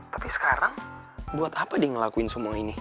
tapi sekarang buat apa dia ngelakuin semua ini